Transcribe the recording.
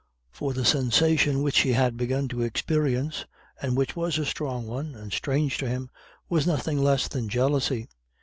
For the sensation which he had begun to experience, and which was a strong one, and strange to him, was nothing less than jealousy.